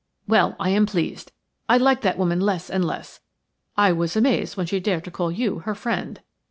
"Well, I am pleased. I like that woman less and less. I was amazed when she dared to call you her friend."